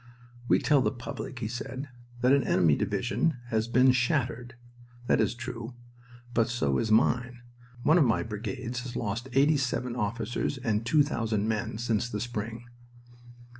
"We tell the public," he said, "that an enemy division has been 'shattered.' That is true. But so is mine. One of my brigades has lost eighty seven officers and two thousand men since the spring."